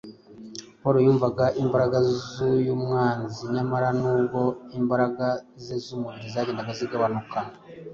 Pawulo yumvaga imbaraga y’umwanzi, nyamara nubwo imbaraga ze z’umubiri zagendaga zigabanyuka